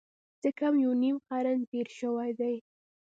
څه کم یو نیم قرن تېر شوی دی.